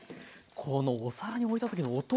このお皿に置いた時の音。